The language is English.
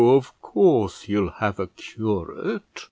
of course he'll have a curate."